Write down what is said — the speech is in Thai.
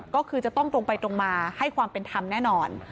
ก็คือจะต้องตรงไปตรงมาให้ความเป็นธรรมแน่นอน